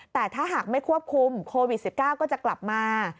แต่ถ้าหากไม่ควบคุมโควิด๑๙ก็จะกลับมา